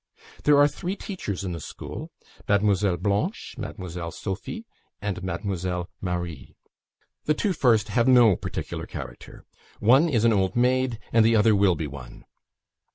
There are three teachers in the school Mademoiselle Blanche, Mademoiselle Sophie, and Mademoiselle Marie. The two first have no particular character. One is an old maid, and the other will be one.